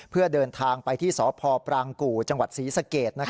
เพื่อเดินทางไปที่สพปรางกู่จังหวัดศรีสเกต